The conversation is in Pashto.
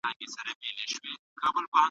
ایا په دې باغ کې زردالو شته؟